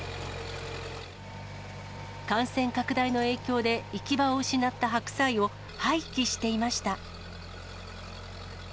感染拡大の影響で行き場を失った白菜を廃棄していました。